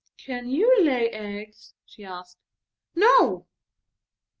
"Can you lay eggs?" asked she. "No."